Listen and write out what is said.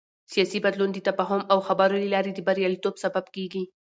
سیاسي بدلون د تفاهم او خبرو له لارې د بریالیتوب سبب کېږي